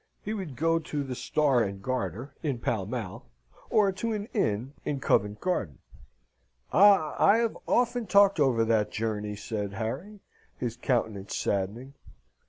He would go to the Star and Garter in Pall Mall, or to an inn in Covent Garden. "Ah! I have often talked over that journey," said Harry, his countenance saddening.